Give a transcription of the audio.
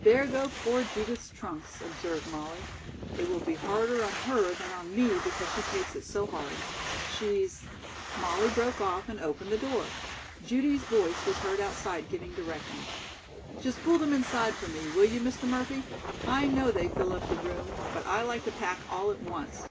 "There go poor Judith's trunks," observed Molly. "It will be harder on her than on me because she takes it so hard. She's " Molly broke off and opened the door. Judy's voice was heard outside giving directions. "Just pull them inside for me, will you, Mr. Murphy? I know they fill up the room, but I like to pack all at once.